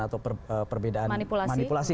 atau perbedaan manipulasi